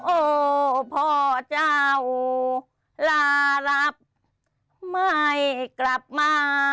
โอ้พ่อเจ้าลารับไม่กลับมา